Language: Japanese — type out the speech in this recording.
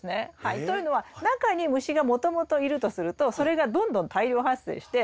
というのは中に虫がもともといるとするとそれがどんどん大量発生して。